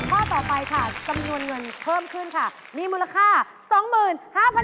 ข้อต่อไปค่ะจำนวนเงินเพิ่มขึ้นค่ะมีมูลค่า๒๕๐๐บาท